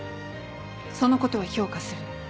そのことは評価する。